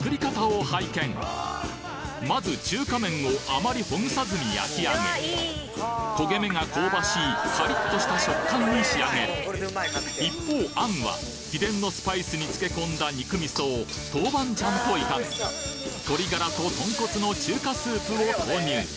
まず中華麺をあまりほぐさずに焼き上げ焦げ目が香ばしいカリッとした食感に仕上げる一方餡は秘伝のスパイスに漬け込んだ肉味噌を豆板醤と炒め鶏ガラと豚骨の中華スープを投入